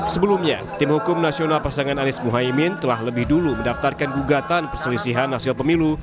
sebelumnya tim hukum nasional pasangan anies muhaymin telah lebih dulu mendaftarkan gugatan perselisihan hasil pemilu